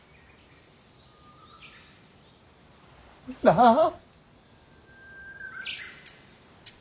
なあ。